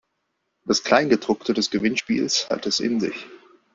Das Kleingedruckte des Gewinnspiels hat es in sich.